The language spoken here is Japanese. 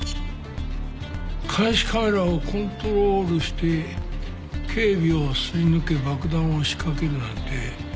監視カメラをコントロールして警備を擦り抜け爆弾を仕掛けるなんて。